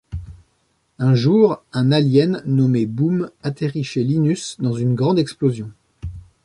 Un jour, un alien nommé Boom atterrit chez Linus dans une grande explosion.